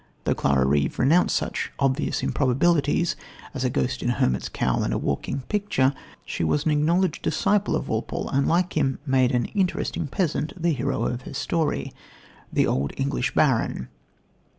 Though Clara Reeve renounced such "obvious improbabilities" as a ghost in a hermit's cowl and a walking picture, she was an acknowledged disciple of Walpole, and, like him, made an "interesting peasant" the hero of her story, The Old English Baron.